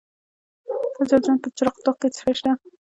د جوزجان په جرقدوق کې څه شی شته؟